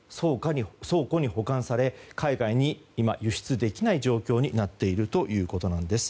倉庫に保管され海外に今、輸出できない状況になっているということなんです。